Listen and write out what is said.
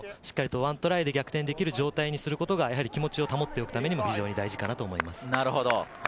１トライで逆転できる状況にすることが気持ちを保っておくためにも重要だと思います。